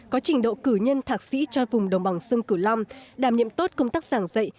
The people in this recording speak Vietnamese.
có trình độ cử nhân thạc sĩ cho vùng đồng bằng sông cửu long đảm nhiệm tốt công tác giảng dạy